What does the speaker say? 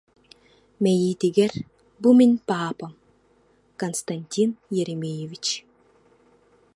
Мэйиитигэр: «Бу мин паапам, Константин Еремеевич»